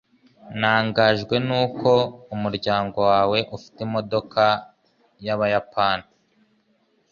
Ntangajwe nuko umuryango wawe ufite imodoka yabayapani.